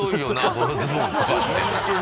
このズボンとかって。